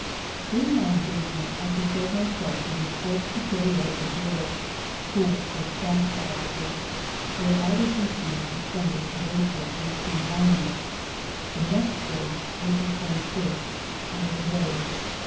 During my engagement I prepared myself for the Ecole Superieure de Guerre (School for Staff Officers), where I was received the 20th of April, 1890; the next day, April 21, I was married.